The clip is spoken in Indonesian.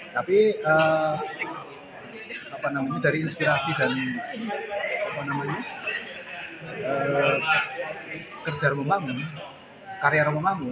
tapi dari inspirasi dan kerja rumahmu karyar rumahmu